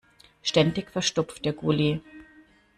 Ständig verstopft der Gully.